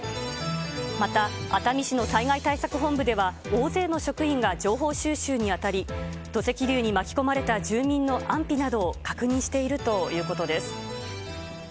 また、熱海市の災害対策本部では大勢の職員が情報収集に当たり、土石流に巻き込まれた住民の安否などを確認しているということです。